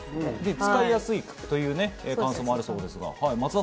使いやすいという感想もあるそうです。